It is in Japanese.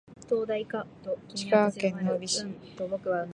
石川県能美市